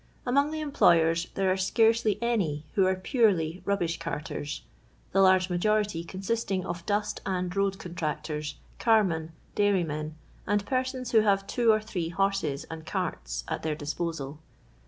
Among the employers there are scarcely any who are purely rubbish carters, the large majority consisting of dust and road contractors, carmen, dairymen, and persons who have two or three horses and carts at their dis posal.